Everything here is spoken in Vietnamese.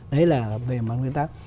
đấy là về mặt nguyên tắc